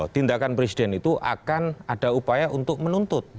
tindakan presiden itu akan ada upaya untuk menuntut